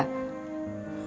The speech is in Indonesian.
jadi galau terus